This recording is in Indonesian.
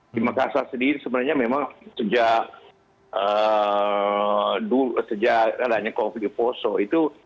di makassar sendiri sebenarnya memang sejak covid sembilan belas itu